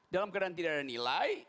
dalam keadaan tidak ada nilai